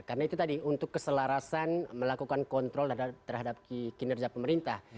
karena itu tadi untuk keselarasan melakukan kontrol terhadap kinerja pemerintah